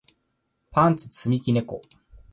パンツ積み木猫